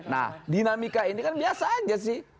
nah dinamika ini kan biasa aja sih